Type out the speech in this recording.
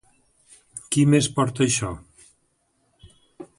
Qui més porta això?